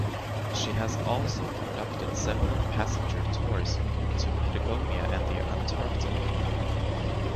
She has also conducted several passenger tours to Patagonia and the Antarctic.